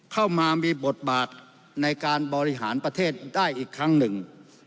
เข้ามามีบทบาทในการบริหารประเทศได้อีกครั้งหนึ่ง